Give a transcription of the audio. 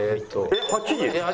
えっ８時？